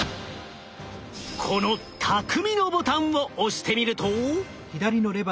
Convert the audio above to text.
この匠のボタンを押してみると。